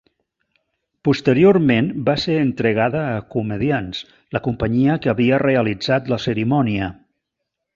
Posteriorment va ser entregada a Comediants, la companyia que havia realitzat la cerimònia.